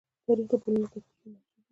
تاریخ د خپل ولس د ښاري ژوند انځور دی.